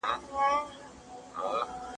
پړونی په اوږه نه پریښودل کېږي.